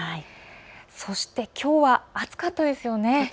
そしてきょうは暑かったですよね。